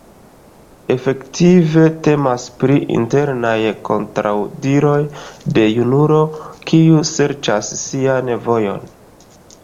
Efektive, temas pri internaj kontraŭdiroj de junulo, kiu serĉas sian vojon.